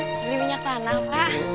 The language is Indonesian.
beli minyak tanah pak